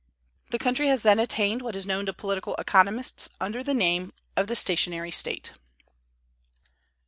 The country has then attained what is known to political economists under the name of the stationary state.